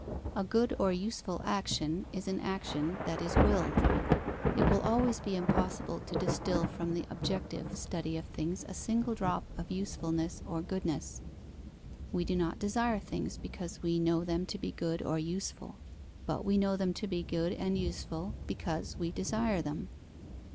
A good or useful action is an action that is willed. It will always be impossible to distil from the objective study of things a single drop of usefulness or goodness. We do not desire things because we know them to be good or useful; but we know them to be good and useful, because we desire them.